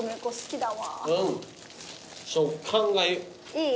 いい？